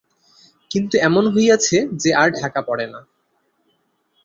কিন্তু এমন হইয়াছে যে আর ঢাকা পড়ে না।